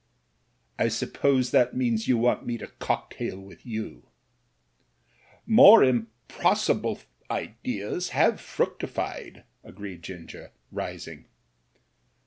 *' I suppose that means you want me to cocktail with your '*More impossible ideas have fructified," agreed Gin ger, rising.